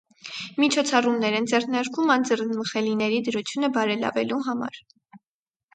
Միջոցառումներ են ձեռնարկվում «անձեռնմխելիների» դրությունը բարելավելու համար։